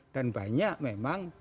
dan banyak memang